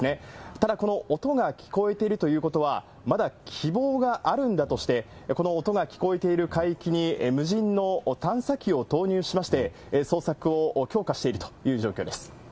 ただ、この音が聞こえているということは、まだ希望があるんだとして、この音が聞こえている海域に無人の探査機を投入しまして、捜索を強化しているという状況です。